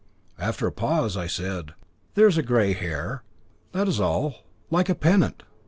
After a pause I said: "There is a grey hair, that is all, like a pennant."